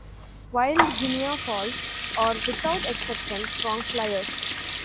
Wild guineafowl are, without exception, strong fliers.